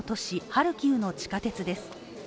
ハルキウの地下鉄です。